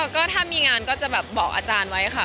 ก็ถ้ามีงานก็จะแบบบอกอาจารย์ไว้ค่ะ